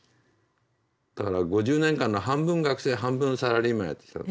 だから５０年間の半分学生半分サラリーマンやってきた。